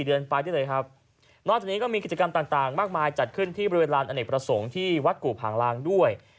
เดือนไปได้เลยครับนอกจากนี้ก็มีกิจกรรมต่างมากมายจัดขึ้นที่บริเวณลานอเนกประสงค์ที่วัดกู่ผางลางด้วย